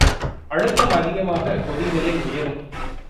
அழுத்தம் அதிகமாகக் கொதிநிலை உயரும்.